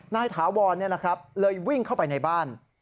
ถาวรเลยวิ่งเข้าไปในบ้าน